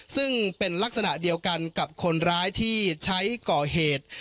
ซึ่งเป็นลักษณะเดียวกันกับคนร้ายที่ใช้ก่อเหตุ